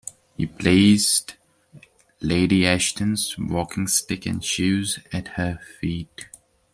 He placed Lady Ashton's walking stick and shoes at her feet.